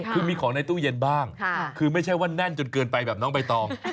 คือมีของในตู้เย็นบ้างคือไม่ใช่ว่าแน่นจนเกินไปแบบน้องใบตอง